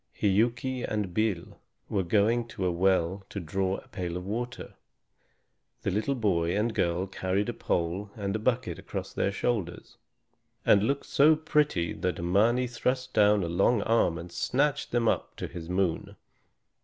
Hiuki and Bil were going to a well to draw a pail of water. The little boy and girl carried a pole and a bucket across their shoulders, and looked so pretty that Mâni thrust down a long arm and snatched them up to his moon.